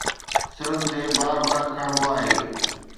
سرن تي بار بار کڻبو آهي